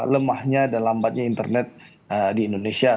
lemahnya dan lambatnya internet di indonesia